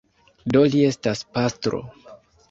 Do li estas pastro.